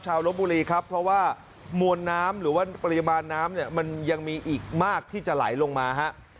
ลบบุรีครับเพราะว่ามวลน้ำหรือว่าปริมาณน้ำเนี่ยมันยังมีอีกมากที่จะไหลลงมาฮะ